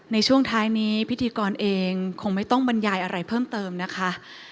ในช่วงท้ายนี้พิธีกรเองคงไม่ต้องบรรยายอะไรเพิ่มเติมนะคะ